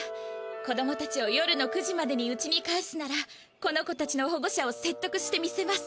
子どもたちを夜の９時までにうちに帰すならこの子たちのほご者をせっとくしてみせます。